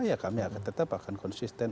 ya kami tetap akan konsisten